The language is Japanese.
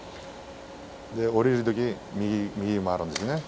下りるときは右に回るんです。